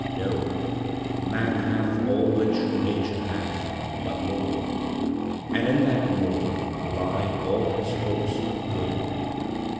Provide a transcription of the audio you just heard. Know, man hath all which Nature hath, but more, And in that more lie all his hopes of good.